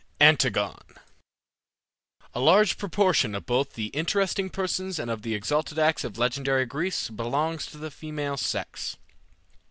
ANTIGONE A large proportion both of the interesting persons and of the exalted acts of legendary Greece belongs to the female sex.